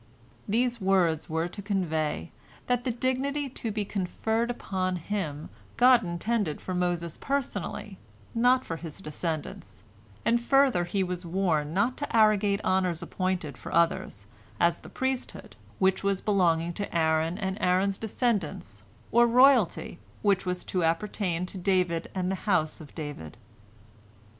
These words were to convey that the dignity to be conferred upon him God intended for Moses personally, not for his descendants, and further he was warned not to arrogate honors appointed for others, as the priesthood, which was to belong to Aaron and Aaron's descendants, or royalty, which was to appertain to David and the house of David.